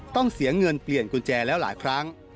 ต้องเสียเงินเปลี่ยนกุญแจแล้วหลายครั้ง